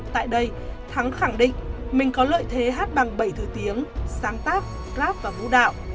tại đây thắng khẳng định mình có lợi thế hát bằng bảy thứ tiếng sáng tác club và vũ đạo